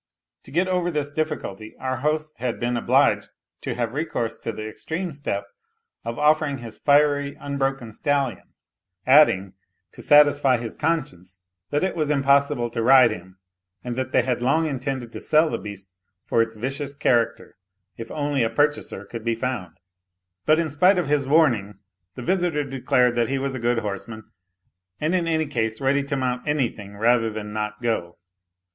To get over this difficulty our host had been obliged to have recourse to the extreme step of offering his fiery unbroken stallion, adding, to satisfy his conscience, that it was impossible to ride him, and that they had long intended to sell the beast for its vicious character, if only a purchaser could be found. 242 A LITTLE HERO But, in spite of his warning, the visitor declared that he was a good horseman, and in any case ready to mount anything rather than not go.